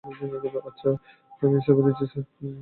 আমি ইস্তফা দিচ্ছি, স্যার।